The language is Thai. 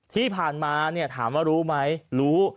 ที่ผ่านมาถามว่ารู้ไหมรู้